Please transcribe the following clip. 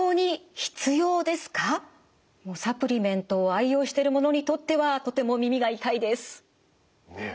サプリメントを愛用してる者にとってはとても耳が痛いです。ねえ。